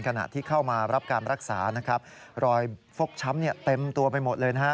ขณะที่เข้ามารับการรักษานะครับรอยฟกช้ำเต็มตัวไปหมดเลยนะฮะ